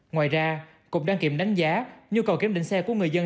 ngoài ra cục đăng kiểm đánh giá nhu cầu kiểm định xe của người dân